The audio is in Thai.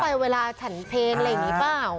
เวลาฉันเพลงอะไรอย่างนี้เปล่า